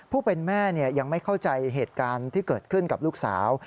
ผู้เป็นแม่ยังไม่เข้าใจเหตุการณ์ที่เกิดขึ้นกับลูกสาว